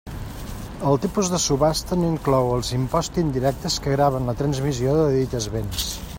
El tipus de subhasta no inclou els imposts indirectes que graven la transmissió de dites béns.